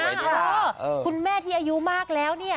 เออคุณแม่ที่อายุมากแล้วเนี่ย